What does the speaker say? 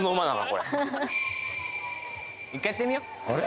コ一回やってみようあれ？